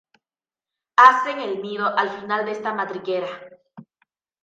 Hacen el nido al final de esta madriguera.